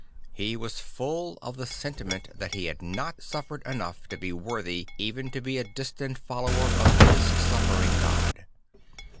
He was full of the sentiment that he had not suffered enough to be worthy even to be a distant follower of his suffering God.